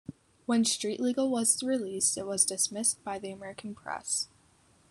When "Street-Legal" was released, it was dismissed by the American press.